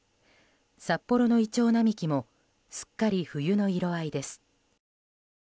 札幌のイチョウ並木もすっかり冬の色合いです。